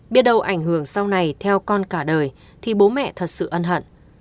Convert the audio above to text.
biết đâu ảnh hưởng sau này theo con cả đời thì bố mẹ thật sự ân hận